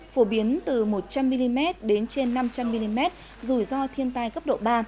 phổ biến từ một trăm linh mm đến trên năm trăm linh mm dù do thiên tai cấp độ ba